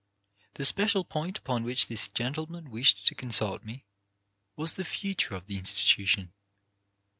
The special point upon which this gentleman wished to consult me was the future of the Institu tion.